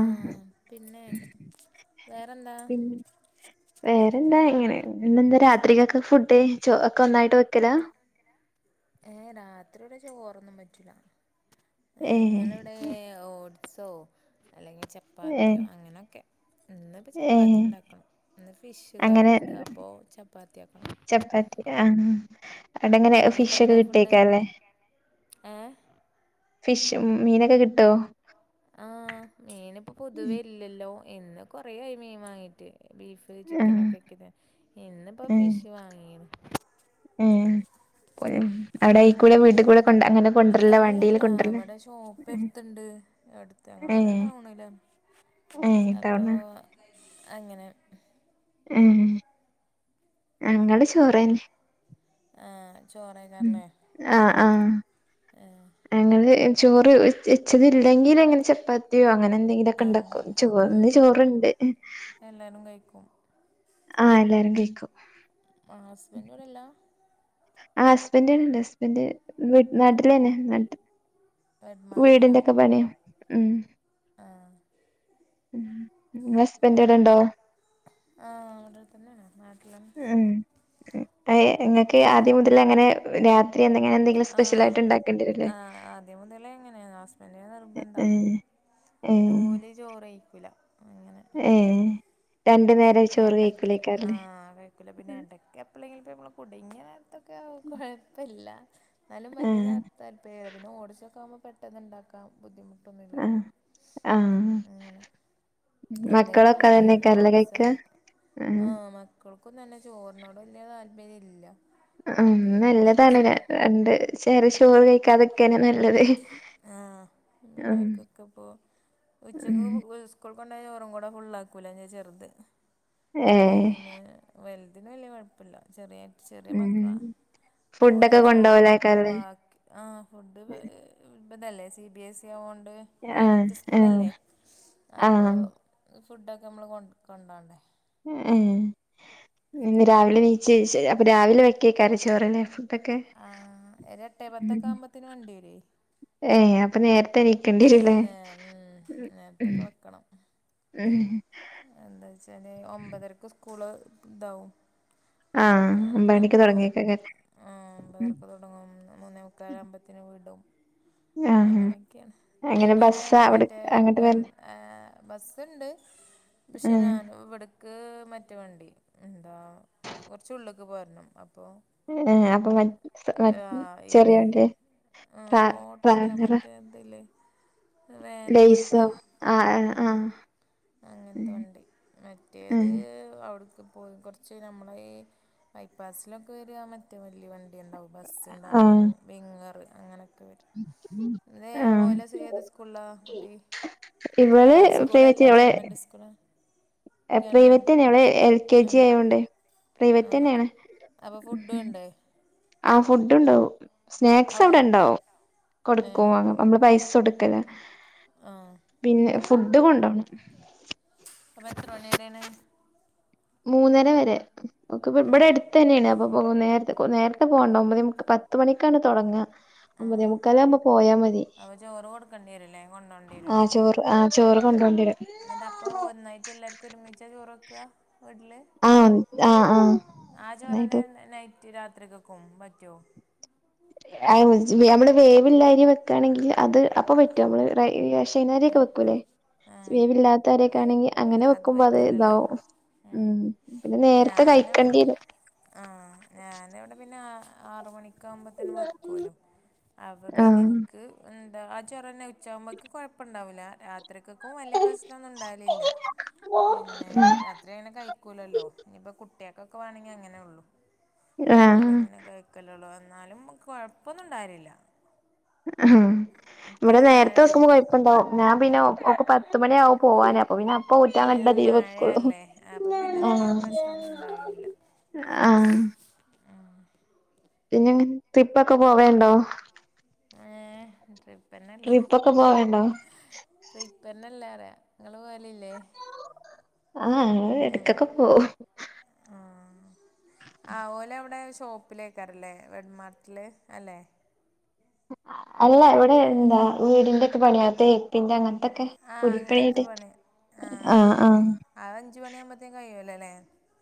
ആ പിന്നെ വേറെന്താ വേറെ ൻങ്ങനെ ഇന്ന്ന്താ രാത്രികക്ക് ഫുഡ് ചോ ഒക്കെ ഒന്നായിട്ട് വെക്കല ഏ രാത്രിഇവ്ടെ ചോറൊന്നുംപറ്റൂല. ഏഹ് ഞങ്ങളിവിടെ ഓട് സോ അല്ലെങ്കിൽ ഏഹ് ചപ്പാത്തിയോ അങ്ങനൊക്കെ. ഇന്നിപ്പോ ഏഹ് ചപ്പാത്തിണ്ടാക്കണം. ഇന്ന് ഫിഷ് അങ്ങനെ കറിണ്ട് അപ്പൊ ചപ്പാത്തിയാക്കണം. പ്പത്തി ആണോ അവിടെങ്ങനെ ഫിഷ്ഒക്കെ നിങ്ങൾക്കെന്താ ഫുഡ് കിട്ടിയേക്കാരലേ ഏഹ് ഫിഷ് മീനൊക്കെ കിട്ടോ? ആ മീൻ ഇപ്പ പൊതുവേഇല്ലല്ലോ ഇന്ന് കൊറായി മീൻ വാങ്ങീട്ട്. ബീഫ് ആഹ് ചിക്കനൊക്കെ വെക്കന്നെ ഇന്നിപ്പോ ഏഹ് ഫിഷ് വാങ്ങിണ്. അ [unintelligible] കുടെ വീട്ടികൂടെ കൊണ്ട് അങ്ങനെ വണ്ടിയില് അല്ലല്ല കൊണ്ടരലാ ഇവടെ ഷോപ്പ് എട്ത്ത്ണ്ട്. എട്ത്ത് ഞങ്ങളവിടെ ഏഹ് ടൗണിലാ. ഏഹ് അപ്പൊ ടൗണാ അങ്ങനെ ഉം. ഞങ്ങള് ചോറന്നെ. ആ മ് ചോറേക്കാറല്ലേ ആ ആ ഞങ്ങള് ചോറ് ഉച് വെച്ചത് ഇല്ലെങ്കിലിങ്ങനെ ചപ്പാത്തിയോ അങ്ങനെ ആ എന്തെങ്കിലൊക്കെണ്ടാക്കും. അങ്ങനെ ചോ അപ്പോൾ ഇന്ന്ചോറ്ണ്ട്. വെക്കും. ആ എല്ലാരുംകഴിക്കും. ആ ഹസ്ബന്റ് ഇവടില്ല? ആ ഹസ്ബന്റ് ഇവിടണ്ട്. ഹസ്ബന്റ് വി നാട്ടില് ആക്ക് തന്നെ നാ വീടിന്റെ നാട്ടിലാണ് ഒക്കെ പണിയാ. ഉം. ആ ങ്ങളെ ഹസ്ബന്റ് ഇവിടണ്ടോ? ആ ഇവടെതന്നെണ് നാട്ടി ഹ് ഏ നിങ്ങക്ക് ആദ്യം മുതൽ അങ്ങനെ രാത്രി എന്തെങ്ങനെ എന്തെങ്കിലും സ്പെഷ്യൽ ആയിട്ട് ഉണ്ടാക്കേണ്ടിരുംല്ലേ ദ്യം മുതലേങ്ങനെ എ ഏ അത് ഓല്‌ ചോറയ്ക്കുല അങ്ങനെ ഏഹ് രണ്ടു നേരം ചോറ് എടക്ക് ആ കഴിക്കൂലേക്കാരല്ലേ കഴിക്കുല പിന്നെ എടക്ക് എപ്പളെങ്കിലും ഇപ്പമ്മള് കുടുങ്ങ്യൽ തൊക്കെ ആ കൊഴപ്പല്ലാ എന്നാലും വലിയ ആഹ് താല്പര്യം പിന്നെ ഓട്സ് ഒക്കാക്മ്പോ പെട്ടെന്നുണ്ടാക്കാം ബുദ്ധിമു ആഹ് ആഹ് അങ്ങനെ എന്തെങ്കിലും മക്കളൊക്കെ മതി അതന്നെക്കാരല്ലെ ഓട്സ് കഴിക്ക ആഹ് മക്കൾക്കും തന്നെ ചോറിനോട് വലിയ താല്പര്യ ഇല്ല ഉം പിന്നെ നല്ലതാണ് സ് രണ്ട് ചെറി ചോറ് കഴിക്കാതൊക്കെന്നെ നല്ലത് ആഹ് ഉം പിന്നോൽക്കൊക്കെ ഇ പോ ഉം ഉച്ചക്ക് സ്‌കൂ ക്ക്ള്ള ചോറും കൂടെ ഫുുള്ളാക്കൂല ൻ്റെ ചെറുത് ഏഹ് പിന്നെ വൽ അതിന് വല്ല്യ കുഴപ്പില്ല ചെറിയ ചെറിയ ഉം മക്കളാ ഓല ഫുഡൊക്കെ ചോറൊക്കെ കൊണ്ടോവലേക്കാരല്ലേ ബാക്കി ആ ഫുഡ് ഇതല്ലേ സി ബി എസ് ഇ ആവോണ്ട് ആഹ് പ്രൈവറ്റ് ആഹ് സ്കൂളല്ലേ അപ്പോൾ ആഹ് ഫുഡൊക്കെ നമ്മൾ കൊ കൊണ്ടോണ്ടേ ഏ ഇന്ന് രാവിലെ നിച്ച് അപ്പൊ രാവിലെ വെക്കക്കാരലെ ചോറല്ലേ ക്കെ ആ ഒരു എട്ടേ പത്തൊക്കെ ആകുമ്പോത്തിന് വണ്ടി വരുവേ ഏ അപ്പ നേര ത്തെനിക്കണ്ടിരല്ലേ നേ ഉം ഉം നേരത്തൊക്കെ വെക്കണം ഉം എന്താ വച്ചാല് ഒമ്പതരക്ക് സ്കൂള് ഇതാവും ആഹ് ഒമ്പത് മണിക്ക് അപ്പോൾ തൊടങ്ങേക്കാരം ഉം ഒമ്പതരക്ക് തുടങ്ങും മൂന്നേ മുക്കാൽ ആവുമ്പത്തിന് വീടും ആഹ് അങ്ങനെയൊക്കെ അങ്ങനെ ഇവര് ബസ്സാ എന്താ അവിടെ മറ്റേ ദ അങ്ങട്ട് വര്ണെ ആ ബസ്സുണ്ട് പക്ഷെ ആഹ് ഞൻ ഇവിടെ ക് മറ്റ് വണ്ടി എന്താ കുറച്ചുള്ളേക്ക് പോരണം അപ്പോൾ ആ അപ്പൊ ചെറിയ വണ്ട്യാ ആ ഓട്ടോ അല്ല മറ്റേ എന്തല്ലേ വേന ലേസോ പോലത്തെ ആഹ് ഉം ആഹ് അങ്ങനെ ഉം വണ്ടി ഉം മറ്റേത് അവിടുക്ക് പ്പോ കൊറച്ച് നമ്മുടെ ഈ ബൈപ്പാസിലൊക്കെ വരിക മറ്റേ വലിയ വ ഉണ്ടാവും ബസ് ഉണ്ടാവും ആഹ് വിങ്ങറ് അങ്ങനെയൊക്കെ വരും ഇത് ആഹ് ഓലെ ഏത് സ്കൂളിലാ ഇവള് പി ല്ലാ ഗവൺമെന്റ് സ്കൂള് പ്രീവെറ്റ്ന്നെ അവള് എൽ കെ ജി ആഹ് ആയൊണ്ടേ പ്രവെറ്റ് ആഹ് തന്നെയാണ് അപ്പോൾ ഫുഡ് ഉണ്ടേ ഫുഡ് കൊണ്ടാവും സ്നാക്സ് അവിടെ ഉണ്ടാവും ഏഹ് കൊടുക്കും നമ്മള് പൈസ കൊ ടുക്കലാ ആഹ് പിന്നെ ഫുഡ് കൊണ്ടോണം അപ്പ എത്ര മണിയരാണ് മൂന്നര വരെ ക്കെ ഇപ്പ ഇവിടെ അടുത്ത് തന്നെയാണ് അപ്പൊ നേര നേരത്തെ പോകണ്ട ഒമ്പതെ മുക്കാല് പത്ത് മണിക്കാണ് തൊടങ്ങ ഒമ്പതേമുക്കാലാവുമ്പോ പോയാ മതി അപ്പൊ ചോറ് കൊടുക്കേണ്ടി വരൂല്ലേ കൊണ്ടോണ്ടി ആ ചോറ് ആ ചോറ് കൊണ്ടോണ്ടിവരും എന്നിട്ട അപ്പോൾ ഒന്നായിട്ട് എല്ലാവർക്കും ഒരുമിച്ചാ ചോറ് വെ ക്ക വീട്ടില് ആഹ് ആഹ് ആഹ് ആ നന്നായിട്ട് ചോറന്നെ നൈ റ്റ് രാത്രികക്കും പറ്റോ നമ്മള് വേവിളള അരി വെക്കയാണെങ്കിൽ അത് അപ്പൊ പറ്റും നമ്മള് വൈനാരൊക്കെ വെക്കൂല്ലേ ഏഹ് വേവില്ലാത്തരിയൊക്കെ ആണെങ്കിൽ അങ്ങനെ വെക്കുമ്പോ അത് ഇതാവും ഉം പിന്നെ നേരത്തെ ഞാന് കഴിക്കണ്ടിരും ആ ഞാൻ ഇവിടെ പിന്നെ ആറുമണിയൊ ആഹ് ആ ചോറ് തന്നെ ഉച്ചായാകുമ്പോഴേക്കും കുഴപ്പണ്ടാവില്ല രാത്രിയിലേക്കും വലിയ പ്രശ്നമൊന്നും ഉണ്ടാവലില്ല പിന്നെ രാത്രിയങ്ങനെ കഴിക്കില്ലല്ലോ ഇനിയിപ്പോ കുട്ടികൾക്ക് എനിക്കൊക്കെ വേണമെങ്കിൽ അങ്ങനെയൊള്ളു അവർ ആഹ് ഇങ്ങനൊക്കെ കഴിക്കലുള്ളതാ. എന്നാലും കുഴപ്പമൊന്നും ഉണ്ടാവാറില്ല ഉം ഇവിടെ മഴ നേരത്തെ വെക്കുമ്പോൾ കുഴപ്പം ഉണ്ടാവും ഞാൻ പിന്നെ അവൾക്ക് പത്ത് മണിയാവും പോവാന് അപ്പൊ പിന്നെ അപ്പൊ ഊറ്റാൻ ഏഹ് ഉള്ളതെ അതിന്മേൽ വെകുള്ളു മഴയല്ലേ അപ്പൊ പിന്നെ ആ വലിയ പ്രശ്നൊന്നും ഉണ്ടാവലില്ല ആ.. പിന്നെ നിങ്ങൾ ട്രിപ്പൊക്കെ പോവേണ്ടോ ഏ ട്രിപ്പ് തന്നെയല്ലേ ട്രിപ്പൊക്കെ പോവേണ്ടോ ട്രിപ്പ് തന്നെയല്ലേ ആ നിങ്ങൾ പോവാലില്ലേ ആ ഇടക്കൊക്കെ പോവും. ആ ഓൽ അവിടെ ഷോപ്പിലേക്കാരം ല്ലേ.. റെഡ്മാർട്ടില് അല്ലെ. അല്ല ഇവിടെ എന്താ വീടിന്റെയൊക്കെ പണിയാണ് തേപ്പിന്റെ അങ്ങനത്തെ ആ അങ്ങനത്തെ പണി ആ ആഹ് ആഹ് അത് അഞ്ചുമണിയാകുമ്പോതെക്കും കഴിയുഅല്ലോ അല്ലേ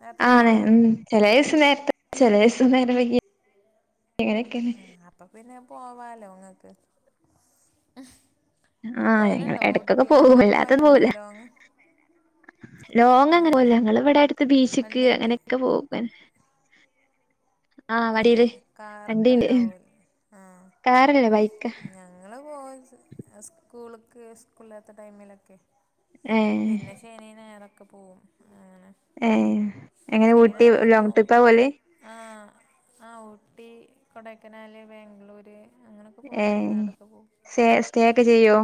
നേരത്തെ ആന്ന് കഴിയൂലേ ഉം ചില ദിവസം നേരത്തെ ചില ദിവസം നേരം വൈകീട്ട് അങ്ങനെയൊക്കെ തന്നെ ആ അപ്പം പിന്നെ പോകാല്ലോ നിങ്ങൾക്ക് ആ ഞങ്ങൾ ഇടക്കൊക്കെ പോവും അങ്ങനെയൊക്കെ വല്ലാതൊന്നും പോവലുണ്ടോ പോവില്ല ലോങ് ലോങ് ആ അങ്ങനെ പോവില്ല ഞങ്ങൾ ഇവിടെ അടുത്ത് ബീച്ചക്ക് വണ്ടിയൊക്കെ അങ്ങനെയൊക്കെ പോവും ആ വണ്ടീല് കാറൊക്കെ വണ്ടിയിൽ ഉണ്ടാവുമല്ലോ ആ ഞങ്ങൾ പോവൽ സ്കൂളിലേക്ക് സ്കൂളില്ലാത്ത ടൈമിലൊക്കെ ഏഹ് പിന്നെ ശനിയും ഞായറൊക്കെ പോകും ഏ എങ്ങനെ ഊട്ടി ഞായറൊക്കെ ലോങ് പോവും ട്രിപ്പാ പോല് ആ ആ ഊട്ടി കൊടൈക്കനാൽ ബാംഗ്ലൂര് അങ്ങനൊക്കെ പോകും വയനാടൊക്കെ പോവും ഏ സ്റ്റേ ഒക്കെ ചെയ്യോ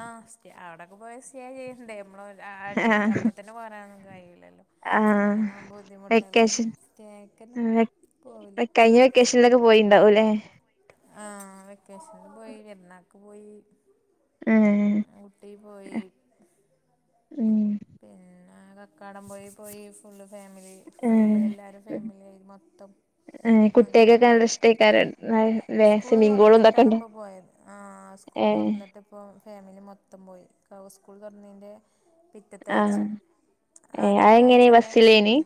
ആ സ്റ്റേ അവിടൊയൊക്കെ പോയാൽ സ്റ്റേ ചെയ്യണ്ടേ നമ്മൾ അടി ആഹ് അപ്പൊ തന്നെ പോരാൻ കഴിയില്ല ആഹ് അങ്ങനെ ആകുമ്പോ ബുദ്ധിമുട്ടല്ലേ വെക്കേഷൻ സ്റ്റേ കഴിഞ്ഞ വെക്കേഷനിലൊക്കെ പോയിണ്ടാകും ല്ലെ ആ വെക്കേഷനിൽ പോയി പെരുന്നാക്ക് പോയി ഏഹ് ഊട്ടി പോയി പിന്നെ കക്കാടം പുഴയിൽ പോയി ഫുള്ള് ഫാമിലി ഫുള് ഏഹ് എല്ലാവരും ഫാമിലിയുമായി മൊത്തം ഏഹ് അങ്ങനെ കുട്ടികക്കൊക്കെ നല്ല പോയി ഇഷ്ടേക്കാരം ല്ലേ സ്കൂൾ സ്വിമ്മിംഗ് പൂളും തുറന്നിട്ടാണ് ഇതൊക്കെണ്ട് ഇപ്പൊ പോയത് ആ സ്കൂൾ ഏഹ് തുറന്നിട്ട് ഇപ്പോൾ ഫാമിലി മൊത്തം പോയി സ്കൂൾ തുറന്ന പിറ്റത്താഴ്ച ആഹ് ഏഹ് ആദ്യത്തെ അതെങ്ങനെ ആഴ്ചയല്ല ബസ്സിലേനി പിറ്റ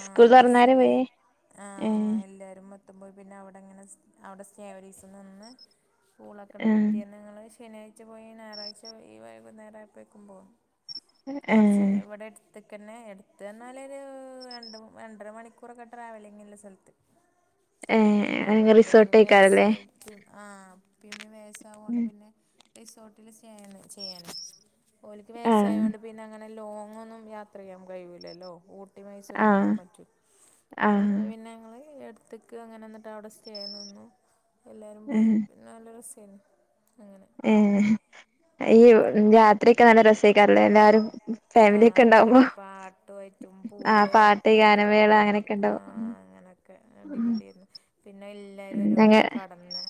ആ സ്കൂൾ തുറന്നാരെ ബസ്സില് പോയേ ആ ഏഹ് എല്ലാരും എത്തുമ്പോൾ പിന്നെ അവിടങ്ങനെ അവിടെ സ്റ്റേ ഒരു ദിവസം നിന്ന് സ്കൂൾ തുറക്കേണ്ട ആഹ് പിറ്റേന്ന് ഞങ്ങൾ ശനിയാഴ്ച പോയി ഞായറാഴ്ച ഈ വൈകുന്നേരം ആയപ്പോഴേക്കും പോന്നു കുറച്ച് ഏഹ് ഇവിടെ ഇതൊക്കെത്തന്നെ എടുത്ത് പറഞ്ഞാലൊരു രണ്ട് രണ്ടര മണിക്കൂറൊക്കെ ട്രാവലിങ്ങുള്ള സ്ഥലത്ത് പിന്നെ ഏ ഇവർക്ക് റിസോർട്ടേക്കാരം ല്ലേ വയസ്സ് ഉപ്പയും ആ പിന്നെ വയസ്സായത് കൊണ്ട് പിന്നെ റിസോർട്ടിൽ സ്റ്റേ തന്നെ ചെയ്യണം ഓല്ക്ക് വയസ്സായത് ആഹ് കൊണ്ട് പിന്നെ അങ്ങനെ ലോങ് ഒന്നും യാത്ര ചെയ്യാൻ കയ്യൂലല്ലോ ഊട്ടി മൈസൂർ ഒന്നും ആഹ് പോകൻ ആഹ് പറ്റില്ല പിന്നെ ഞങ്ങൾ ത്തക്ക് അങ്ങനെ എന്നിട്ട് അവിടെ സ്റ്റേ ആയി നിന്നു എല്ലാവരും പോയി ഏഹ് പിന്നെ നല്ല രസെന്നു ഈ യാത്രയൊക്കെ നല്ല രസെക്കാരം ല്ലേ എല്ലാരും ആ ഫാമിലിയൊക്കെ ഉണ്ടാവുമ്പോ പിന്നെ പാട്ടു ആയിട്ടും ആഹ് പൂള് പാട്ട് ഒക്കെ ഗാനമേള ആകുമ്പോ അങ്ങനെയൊക്കെ ആ ഉണ്ടാവും അങ്ങനെയൊക്കെ ഉം അടിപൊളിയായിരുന്നു പിന്നെ എല്ലാവരും ഞങ്ങ ഒരേയിടത്താണ് കിടന്നത്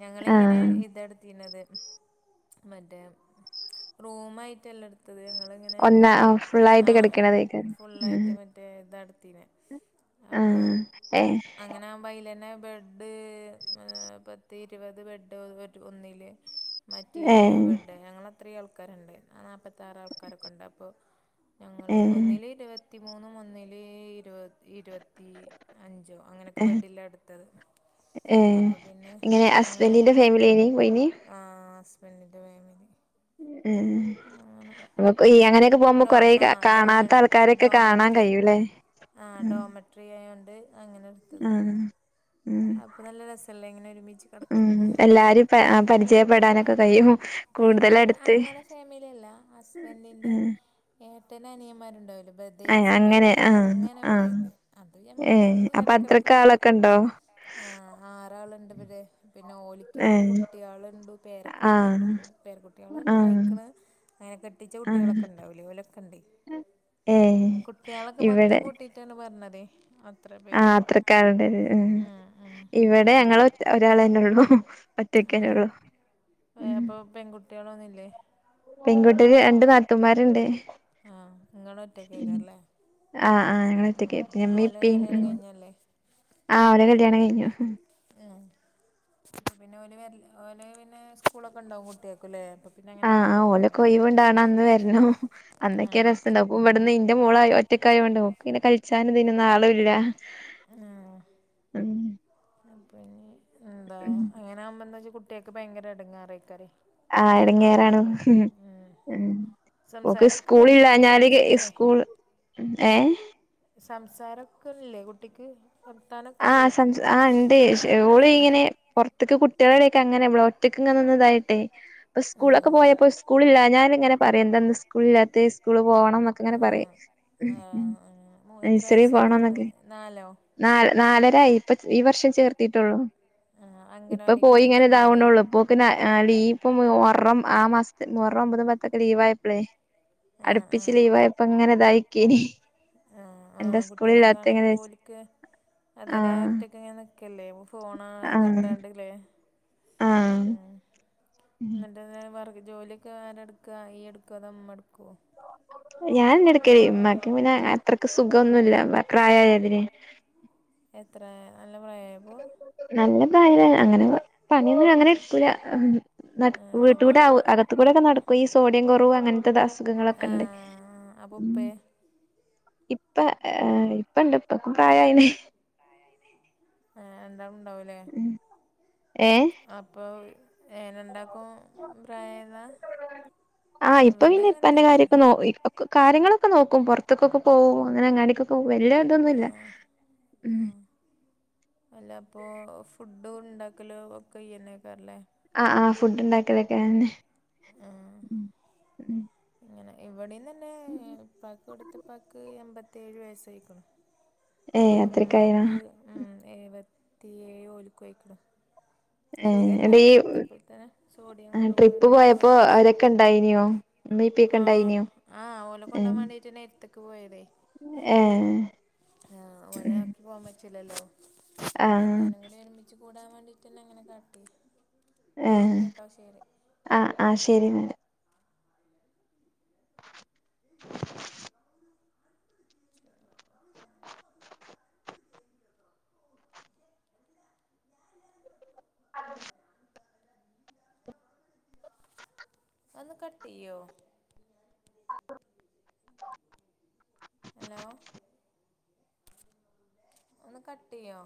ഞങ്ങളിങ്ങനെ ആഹ് ഇതെടുത്തിന്നത് മറ്റേ റൂമായിട്ടല്ല എടുത്തത് ഞങ്ങളിങ്ങനെ ഒന്ന് അ ആ ഫുള്ളായിട്ട് കിടക്കണതായിരിക്കും ഇം അപ്പോ അങ്ങനെ ആകുമ്പോ അയ് ലന്നെ ബെഡ് പത്ത് ഇരുപത് ബെഡ് ഒരു ഒന്നില് മറ്റീല് ഇരുപത് ഏഹ് ബെഡ് ഞങ്ങളത്രയും ആൾക്കാരെണ്ട് നാപ്പത്താറ് ആൾക്കാരൊക്കെ എണ്ട് അപ്പൊ ഞങ്ങള് ഏഹ് ഒന്നില് ഇരുപത്തിമൂന്നും ഒന്നില് ഇരുപത് ഇരുപത്തി അഞ്ചോ അങ്ങനെയൊക്കെ ഏഹ് ബെഡില്ല എടുത്തത് ഏഹ് അപ്പോൾ ഇങ്ങളെ ഹസ്ബന്റിന്റെ ഫാമിലിയാനി ആഹ് ഹസ്ബൻഡിന്റെ ഫാമിലി ഉം അങ്ങനെ [unintelligible] ഈ അങ്ങനെ ക്കെ പോകുമ്പോ ഡോ കൊറേ ആ ക ഡോമ കാണാത്ത ആൾക്കാരൊക്കെ കാണാൻ ഡോമെട്രി കഴിയൂല്ലേ ആ ഇം [unintelligible] ആ എടുത്തത് ഉം അപ്പൊ നല്ല രസല്ലേ ഇങ്ങനെ ഒരുമിച്ച് ഉം കിടക്കുമ്പോ എല്ലാരും പ മറ്റേത് പരിചയപ്പെടാനൊക്കെ കഴിയും പരിചയപ്പെ കൂടുതലടുത്ത് അങ്ങനെ ഫാമിലിയല്ല ഹസ്ബൻഡിന്റെ ആഹ് ഏട്ടനും അനിയന്മാരും ഇണ്ടാവൂലേ ഏഹ് ബ്രദേഴ്സ് അങ്ങനെ ഇണ്ടാവൂലേ ആഹ് അങ്ങനെ ആഹ് പോയത്. അത് നമ്മളിപ്പ ഏഹ് എന്നും അപ്പൊ അത്രക്ക് ഇടക്കിടക്ക് ആളൊക്കെ ഉണ്ടോ ആ ആറാളിണ്ടിവിടെ പിന്നെ ഓലിക്കില്ലേ ഏഹ് കുട്ടികളെണ്ട് പേരക്കുട്ടികളും ആഹ് ഇം പേരകുട്ടികളും ആഹ് ആയിക്കണ് അങ്ങനെ കെട്ടിച്ച ആഹ് കുട്ടികളക്കെണ്ടാവൂലേ ഓലക്കെണ്ട്. ഏഹ് കുട്ടികളൊക്കെ മൊത്തം കൂട്ടിട്ടാണ് പറഞ്ഞത് ആത്രക്കാരുടെത് ഉം ഇവിടെ ഞങ്ങള് ഒ ഒരാളന്നേ ഉള്ളൂ. ഒറ്റക്കന്നെ ആഹ് ഉള്ളു ഏ അപ്പൊ പെൺകുട്ടികളൊന്നുംല്ലേ പെങ്കു ട്ടി രണ്ട് നാത്തൂന്മാരെണ്ട്. ആ ഇങ്ങള് ഒറ്റക്കായ്ക്കും അല്ലേ ആഹ് ആഹ് ഞങ്ങളൊറ്റക്ക് ആ ഓല് കല്യാണം കഴിഞ്ഞതല്ലേ? ആ ഓരെ കല്യാണം കഴിഞ്ഞു. ഉം പിന്നെ ഓന് വൽ ഓന് പിന്നെ സ്കൂളൊക്കെ ഇണ്ടാവും കുട്ടികക്കല്ലേ ആഹ് ഓലക്ക ഒയ്വിണ്ടാകാണ അന്ന് വരണോ അന്നൊക്കെയ ആഹ് രസണ്ടാവ അപ്പ ഇവിടുന്ന് ഇ ന്റെ മോള് ഒറ്റക്കായോണ്ട് ഓക്ക് പിന്ന കളിച്ചാനും ഇതിനൊന്നും ആളും ഇല്ല. ആ ഉം ഉം പിന്നെ എന്താ ഉം അങ്ങനെ ആകുമ്പോ എന്താ വെച്ചാ കുട്ടിയക്കെ ഭയങ്കര എടങ്ങേറാരിക്കുവാറേ ആ എടങ്ങേറാണ് ഉം ഓക്ക് സംസാരൊക്കെ സ്കൂളി [unintelligible] സംസാരിച്ചില്ലേ സ്കൂള് ഏഹ് സംസാരക്കയില്ലേ കുട്ടിക്ക് ആ വർത്താനൊക്കെല്ലേ സംസ് ആ എണ്ട് പക്ഷെ ഓളീ ഇങ്ങനീ പൊറ ത്തക്ക് കുട്ടികളടക്ക അങ്ങനെ ഇവട ഒറ്റ‌ക്കിങ്ങനെ നിന്നിതായിട്ടേ ഇപ്പ സ്കൂളൊക്കെ ആഹ് പോയപ്പോ സ്കൂലില്ലാഞ്ഞ കാരണം ഇങ്ങനെ പറയും എന്താന്ന് സ്കൂളില്ലാത്തെ സ്കൂള് പോണം എന്നെക്കിങ്ങനെ പറ യും ഉം ഉം മൊ എത്ര നഴ്സറി വയസ്സ് മൂന്ന് നാലോ നാല് നാലരായി ഇപ്പൊ ഈ വർഷം ചേർത്തീട്ടൊള്ളൂ ആഹ് ഇപ്പൊ അംഗനവാടിക്ക് പോയി ഇങ്ങനെ പോയിട്ടുണ്ടായിനോ ഇതാവണൊള്ളൂ ഇപ്പൊക്കെ ന ആ ലീവ് ഇപ്പ മൊ ഹറം ആ മാസത്തി മൊഹറം ഒമ്പതും പത്തൊക്കെ ലീവായപ്പളേ ആഹ് അടുപ്പിച്ച് ആഹ് ലീവായപ്പോ ഇങ്ങനിതായി ക്കേനി ആഹ് എന്താ ആഹ് സ്കൂളില്ലാത്തിങ്ങനെ അതിന് ഒറ്റ‌ക്കിങ്ങനെ നിക്കെല്ലേ ഫോണാ ആഹ് കണ്ടാണ്ടകിലെ ആഹ് ഉം എന്നിട്ട് എന്തേലും വർ ജോലിയൊക്കെ ആരെടുക്കാ ഇയ്യ് എടുക്കോ അതാ ഇമ്മ എടുക്കോ ഞാനന്നെ എടക്കല് ഇമ്മാക്ക് പിന്നെ അത്രക്ക് സുഖം ഒന്നൂല്ല ഇമ്മ പ്രായായതിന് എത്ര? പ്രായായപ്പോ നല്ല ഭായ അങ്ങനെ പണിയൊന്നും അങ്ങനെ എടുക്കൂല. ആഹ് അപ്പൊ വീട്ട്കൂടെ അകത്തുകൂടെൊക്കെ നടക്കും ഈ സോഡിയം കുറവ് അങ്ങനത്തെ അസുഖങ്ങളൊക്കെണ്ട് അപ്പോ ഉപ്പ ഇപ്പ ആഹ് ഇപ്പന്റുപ്പക്കും പ്രായായിനെ ആഹ് എന്താ ഉണ്ടാവൂലേ ഏ അപ്പ ക്കേനണ്ട ആഹ് ഇപ്പ ഇവിടെയും പിന്നെ അങ്ങനെ ഇപ്പാന്റെ തന്നെയാണ് കാര്യൊക്കെ നോ ക കാര്യങ്ങള് ക്ക് നോക്കും പുറത്തെക്കൊക്കെ പോകും അങ്ങനെ അങ്ങടികൊക്കെ വല്യ ആ ഇതൊന്നുവില്ല. ഉമ് ആ അല്ല അപ്പൊ ഫുഡും ഉണ്ടാക്കലോ ഒക്കെ ഈഅന്നക്കാറില്ലേ ആഹ ആഹ ഫുഡ് ഉണ്ടാക്കലൊക്കെ ഉണ്ട്. ആ ഇങ്ങനെ ഇവിടെ ഈന്നന്നെ ഇപ്പാക്ക് കൊടുത്ത പാക്ക് എൺമ്പത്തിയേഴ് വയസ്സായിക്കണു. ഏയ് അത്രകായിന? എഴപത്തിയേയോലുക്കു ആയ്ക്കണു. സുഖല്ല ഏ ഈ ഇത്പ്പോല്ത്തന്നെ സോഡിയം കുറവ് ട്രിപ്പ് ഇങ്ങനെയൊക്കെ പോയപ്പോ ഓരൊ പ്രശ്നം. അവരൊക്കെ ഇണ്ടായിനിയോ ഉമ്മീം ഇപ്പിയൊക്കെ ആഹ് ഇണ്ടായിനിയോ ആഹ് ഓലെ കൊണ്ടാൻ ഏഹ് വേണ്ടിട്ട് നേരത്തേക്ക് പോയതേ ഏഹ് ആഹ് ഓലെ ആക്കി പോകാൻ പറ്റില്ലല്ലോ അപ്പൊ ആഹ് എല്ലാരും കൂടി എഴുമണിക്ക്. കൂടാൻ വേണ്ടിട്ടന്നെ അങ്ങനെ കാട്ടി എന്നാ ആഹ ഓക്കേട്ടോ ശരി ആഹ ആഹ ശരി എന്നാൽ. [inaudible] അത് അത് ഒന്ന് കട്ടെയോ ഹലോ ഒന്ന് കട്ടെയൊ